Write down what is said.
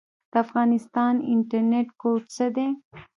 د افغانستان انټرنیټ کوډ څه دی؟